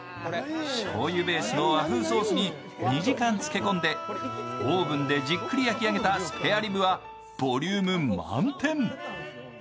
しょうゆベースの和風ソースに２時間漬け込んでオーブンでじっくり焼き上げたスペアリブはボリューム満点。